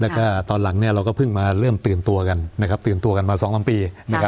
แล้วก็ตอนหลังเราก็เพิ่งมาเริ่มตื่นตัวกันตื่นตัวกันมา๒๓ปี